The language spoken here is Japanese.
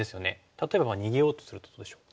例えば逃げようとするとどうでしょう？